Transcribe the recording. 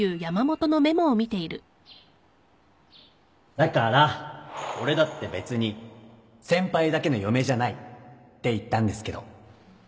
だから俺だって別に先輩だけの嫁じゃないって言ったんですけど